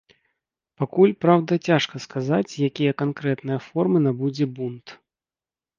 Пакуль, праўда, цяжка сказаць, якія канкрэтныя формы набудзе бунт.